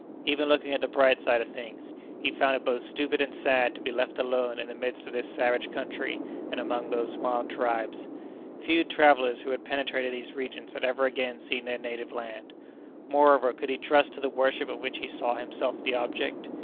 Even looking at the bright side of things, he found it both stupid and sad to be left alone in the midst of this savage country and among these wild tribes. Few travellers who had penetrated to these regions had ever again seen their native land. Moreover, could he trust to the worship of which he saw himself the object?